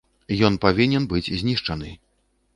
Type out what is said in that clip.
Ён павінен быць знішчаны.